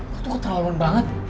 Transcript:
lo tuh ketahuan banget